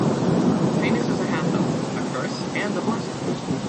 Tanis is a half-elf, a curse and a blessing.